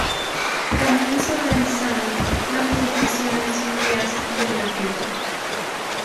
Tambien se organizaron manifestaciones y días de La Rioja.